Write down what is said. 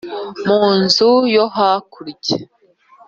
mu nzu yo hakurya.